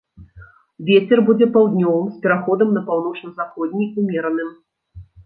Вецер будзе паўднёвым з пераходам на паўночна-заходні, умераным.